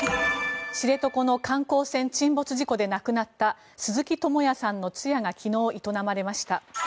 知床の観光船沈没事故で亡くなった鈴木智也さんの通夜が昨日、営まれました。